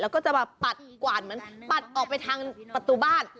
แล้วก็จะปัดกว่านปัดออกไปทางประตูบ้าน